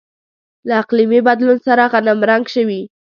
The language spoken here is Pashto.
له اقلیمي بدلون سره غنمرنګ شوي.